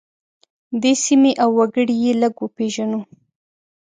دې سیمې او وګړي یې لږ وپیژنو.